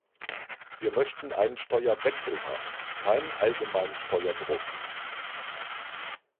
Wir möchten einen Steuerwechsel haben, keinen allgemeinen Steuerdruck.